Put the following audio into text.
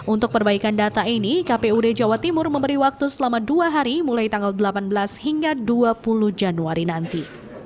untuk perbaikan data ini kpud jawa timur memberi waktu selama dua hari mulai tanggal delapan belas hingga dua puluh januari nanti